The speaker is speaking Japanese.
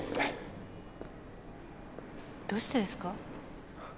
どうしてですか？